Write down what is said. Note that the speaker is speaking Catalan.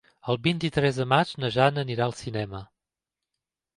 El vint-i-tres de maig na Jana anirà al cinema.